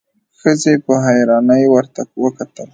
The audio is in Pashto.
ښځې په حيرانی ورته وکتل.